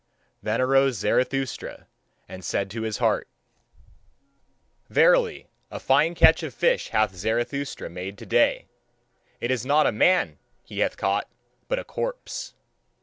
Then arose Zarathustra and said to his heart: Verily, a fine catch of fish hath Zarathustra made to day! It is not a man he hath caught, but a corpse.